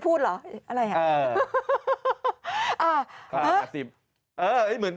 อาจารย์บอกว่าอ๋อมาอีนแหลก